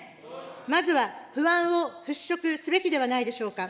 まずは不安を払拭すべきではないでしょうか。